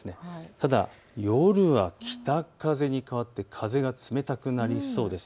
ただ夜は北風に変わって風が冷たくなりそうです。